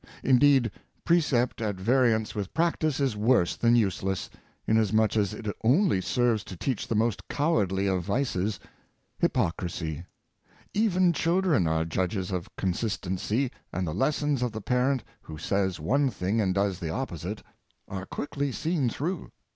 Indeed, precept at variance with practice is worse than useless, inasmuch as it only serves to teach the most cowardly of vices — hypocrisy. Even children are judges of consistency, and the lessons of the parent who says one thing and does the opposite, are quickly seen through.